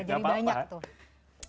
jadi banyak tuh